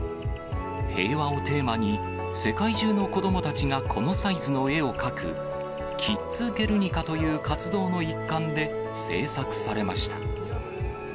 平和をテーマに、世界中の子どもたちがこのサイズの絵を描く、キッズ・ゲルニカという活動の一環で制作されました。